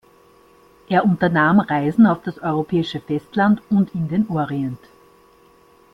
Er unternahm Reisen auf das europäische Festland und in den Orient.